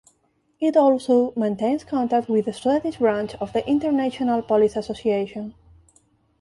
It also maintains contact with the Swedish branch of the International Police Association.